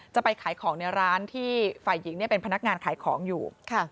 จะไปขายของในร้านที่ฝ่ายหญิงเป็นพนักงานขายของอยู่